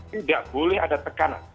tidak boleh ada tekanan